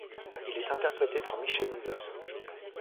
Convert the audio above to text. Il est interprété par Michel Muller.